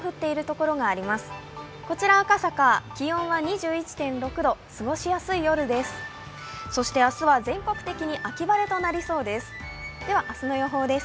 こちら赤坂、気温は２１．６度、過ごしやすい夜です。